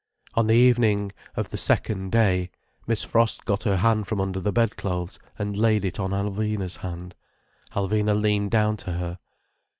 On the evening of the second day, Miss Frost got her hand from under the bedclothes, and laid it on Alvina's hand. Alvina leaned down to her.